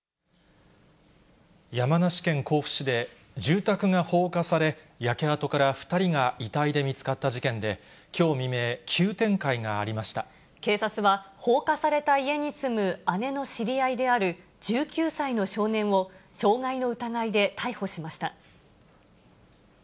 山梨県甲府市で住宅が放火され、焼け跡から２人が遺体で見つかった事件で、きょう未明、急展開が警察は、放火された家に住む姉の知り合いである、１９歳の少年を傷害の疑いで逮捕しました。